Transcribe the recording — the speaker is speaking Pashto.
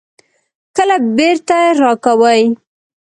کله بیرته راکوئ؟